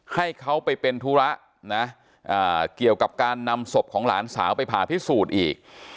ให้เขาไปเป็นธุระนะเกี่ยวกับการนำศพของหลานสาวไปผ่าพิสูจน์อีก